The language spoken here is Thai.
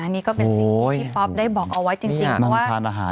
นี่ก็เป็นสิ่งที่ป๊อปได้บอกเอาไว้จริงว่า